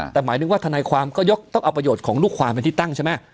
แต่หมายถึงว่าทนายความก็ยกต้องเอาประโยชน์ของลูกความเป็นที่ตั้งใช่ไหม